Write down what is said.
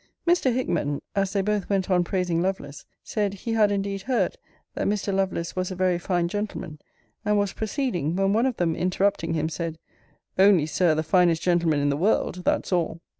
Mr. Hickman (as they both went on praising Lovelace) said, he had indeed heard, that Mr. Lovelace was a very fine gentleman and was proceeding, when one of them, interrupting him, said, Only, Sir, the finest gentleman in the world; that's all.